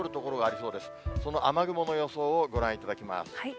その雨雲の予想をご覧いただきます。